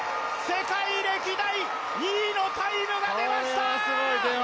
世界歴代２位のタイムが出ました！